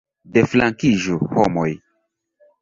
Deflankiĝu, homoj!